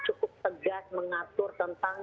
cukup tegas mengatur tentang